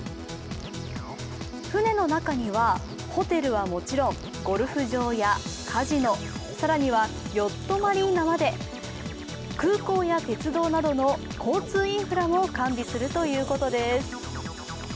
船の中には、ホテルはもちろんゴルフ場やカジノ、更にはヨットマリーナまで空港や鉄道などの交通インフラも完備するということです。